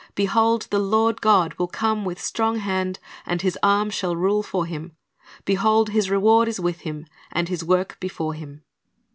Behold, the Lord God will come with strong hand, and His arm shall rule for Him; behold. His reward is with Him, and His work before Him."